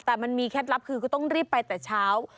แต่มันมีเคล็ดลับคือก็ต้องรีบไปแต่เช้า